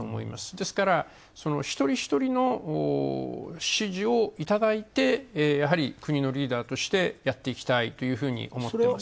ですから、一人一人の支持をいただいてやはり国のリーダーとしてやっていきたいというふうに思っています。